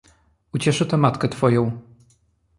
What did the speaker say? Ucieszy to matkę twoją!